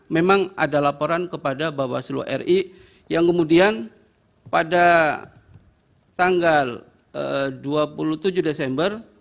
memang ada laporan kepada bawaslu ri yang kemudian pada tanggal dua puluh tujuh desember